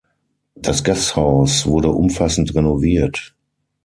Das Gasthaus wurde umfassend renoviert.